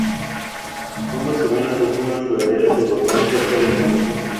Al fondo se ven las últimas laderas del volcán cerca del mar.